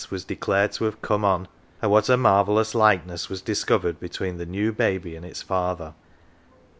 was declared to have " come on ;"" and what a marvellous likeness was discovered between the new baby and its father.